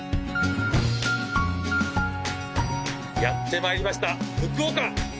やってまいりました福岡！